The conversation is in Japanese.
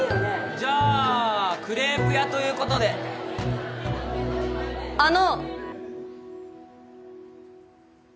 じゃあクレープ屋ということであの！